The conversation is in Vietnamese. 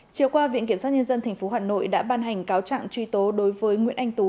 chiều qua viện kiểm sát nhân dân tp hà nội đã ban hành cáo trạng truy tố đối với nguyễn anh tú